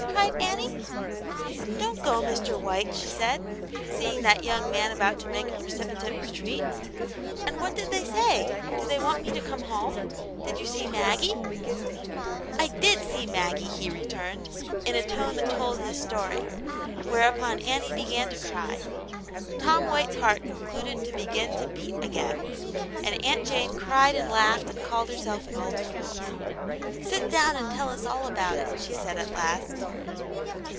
^^ cried Annie. " Don't go, Mr. White," she said, see ing that young man about to make a precipitate retreat "And what did they say.^ Do they want me to come home ? Did you se^ M.^^^v^t'^ rl Aunt yanc^s Hero. 93 " I did see Maggie !" he returned, in a tone that told his story; whereupon Annie began to cry. Tom White's heart concluded to begin to beat again, and Aunt Jane cried and laughed and called herself an old fool. " Sit down and tell us all about it," she said at last.